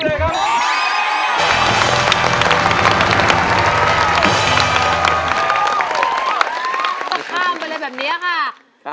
ข้ามไปเลยแบบนี้ค่ะ